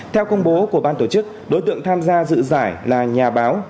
theo công bố của ban tổ chức đối tượng tham gia dự giải là nhà báo